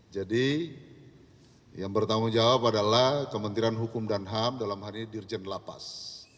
jadi yang bertanggung jawab adalah kementerian hukum dan ham dalam hal ini dirjen lapas